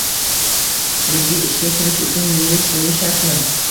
Mibga ishga kirish uchun yurist bo'lish shartmi?